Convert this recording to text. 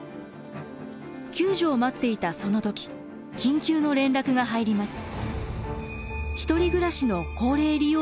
救助を待っていたその時緊急の連絡が入ります。